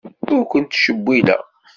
Ur kent-ttcewwileɣ.